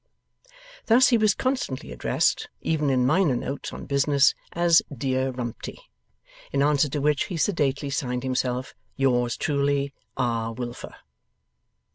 Thus he was constantly addressed, even in minor notes on business, as 'Dear Rumty'; in answer to which, he sedately signed himself, 'Yours truly, R. Wilfer.